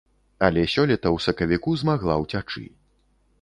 Але сёлета ў сакавіку змагла ўцячы.